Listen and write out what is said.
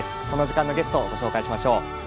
この時間のゲストをご紹介します。